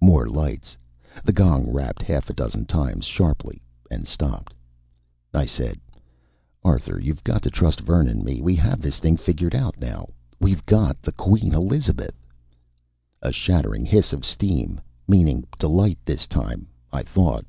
More lights. The gong rapped half a dozen times sharply, and stopped. I said: "Arthur, you've got to trust Vern and me. We have this thing figured out now. We've got the Queen Elizabeth " A shattering hiss of steam meaning delight this time, I thought.